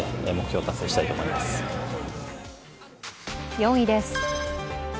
４位です。